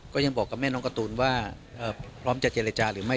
ก็ยังบอกกับแม่น้องการ์ตูนว่าพร้อมจะเจรจาหรือไม่